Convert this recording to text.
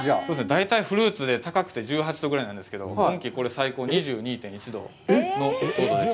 大体フルーツで高くで１８度ぐらいなんですけど、これ最高２２．１度の糖度です。